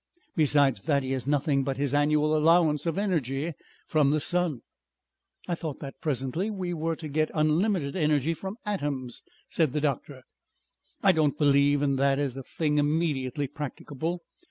Besides that he has nothing but his annual allowance of energy from the sun." "I thought that presently we were to get unlimited energy from atoms," said the doctor. "I don't believe in that as a thing immediately practicable.